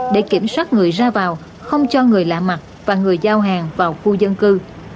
để kiểm soát người ra vào không cho người lạ mặt và người giao hàng vào khu dân cư